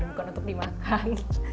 bukan untuk dimakan